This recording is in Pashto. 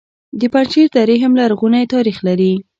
د پنجشیر درې هم لرغونی تاریخ لري